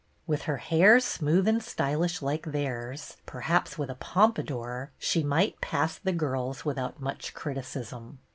With her hair smooth and stylish like theirs, perhaps with a pompadour, she might pass the girls with out much criticism.